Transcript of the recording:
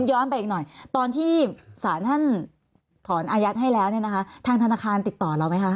ย้อนไปอีกหน่อยตอนที่สารท่านถอนอายัดให้แล้วเนี่ยนะคะทางธนาคารติดต่อเราไหมคะ